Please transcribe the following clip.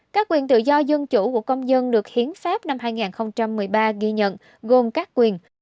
các quyền tự do dân chủ của công dân được hiến pháp năm hai nghìn một mươi ba ghi nhận gồm các quyền